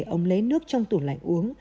ông lấy nước trong tủ lạnh uống